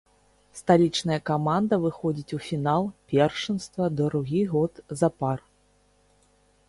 Сталічная каманда выходзіць у фінал першынства другі год запар.